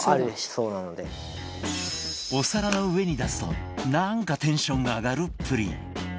お皿の上に出すとなんかテンションが上がるプリン